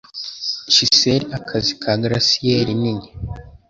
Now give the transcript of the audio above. Chisel akazi ka Glacier nini